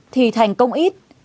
thì thành công ít